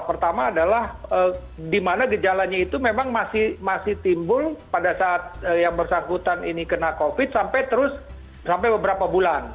pertama adalah di mana gejalanya itu memang masih timbul pada saat yang bersangkutan ini kena covid sampai terus sampai beberapa bulan